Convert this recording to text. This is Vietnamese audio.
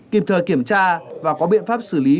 kịp thời kiểm tra và có biện pháp xử lý